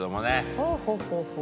ほうほうほうほう。